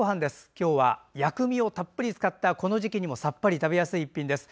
今日は薬味をたっぷり使ったこの時期にもさっぱり食べやすい一品です。